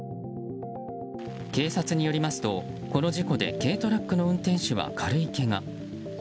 警察によりますと、この事故で軽トラックの運転手は軽いけが。